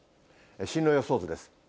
進路予想図です。